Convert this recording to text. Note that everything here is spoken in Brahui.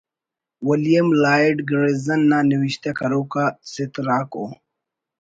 ولیم لائیڈ گیریزن نا نوشتہ کروک آ سِتر آک ءُ